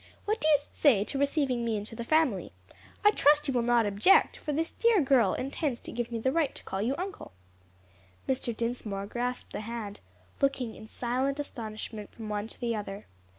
What do you say to receiving me into the family? I trust you will not object, for this dear girl intends to give me the right to call you uncle." Mr. Dinsmore grasped the hand, looking in silent astonishment from one to the other.